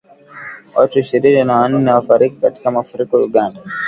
Watu ishirini na wanne wafariki katika mafuriko Uganda.